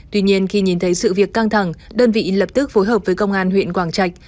tuy nhiên khi nhìn thấy sự việc căng thẳng đơn vị lập tức phối hợp với công an huyện quảng trạch